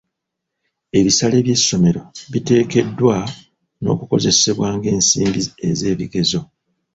Ebisale by'essomero biteekeddwa n'okukozesebwa ng'ensimbi ez'ebigezo.